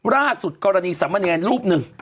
ล่าสุดกรณีสามเณรรูปหนึ่ง